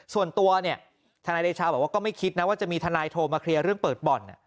ส่วนตัวเนี่ยทนายเดชาบอกว่าก็ไม่คิดนะว่าจะมีทนายโทรมาเคลียร์เรื่องเปิดบ่อน